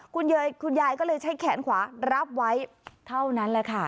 คุณยายก็เลยใช้แขนขวารับไว้เท่านั้นแหละค่ะ